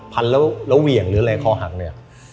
พันแล้วเหวี่ยงหรืออะไรคอหักเนี่ย